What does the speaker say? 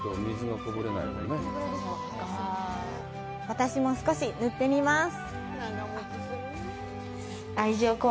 私も少し塗ってみます！